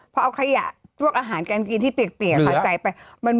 เพราะเอาขยะโจ๊กอาหารการกินที่เปียกไปใส่ไป